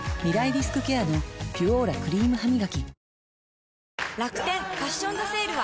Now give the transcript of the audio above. リスクケアの「ピュオーラ」クリームハミガキ